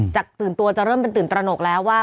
ตื่นตัวจะเริ่มเป็นตื่นตระหนกแล้วว่า